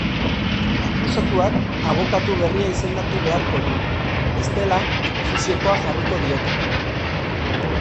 Akusatuak abokatu berria izendatu beharko du, bestela, ofiziokoa jarriko diote.